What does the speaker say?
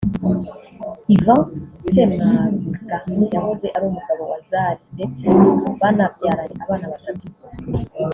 Ivan Ssemwanga yahoze ari umugabo wa Zari ndetse banabyaranye abana batatu